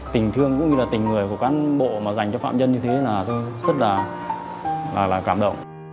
tình thương cũng như là tình người của cán bộ mà dành cho phạm nhân như thế là tôi rất là cảm động